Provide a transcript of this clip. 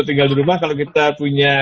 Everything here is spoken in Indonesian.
tinggal di rumah kalau kita punya